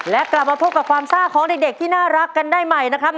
และกลับมาพบกับความซ่าของเด็กที่น่ารักกันได้ใหม่นะครับ